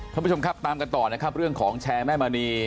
ท่านผู้ชมครับตามกันต่อนะครับเรื่องของแชร์แม่มณี